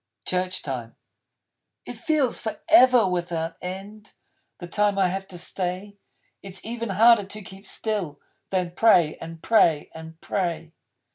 Church Time It feels Forever without End, The time I have to stay. It's even harder to keep still Than pray and pray and pray.